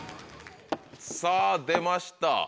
さぁ出ました。